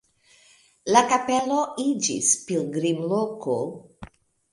La kapelo iĝis pilgrimloko.